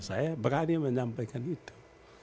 saya berani menyampaikan itu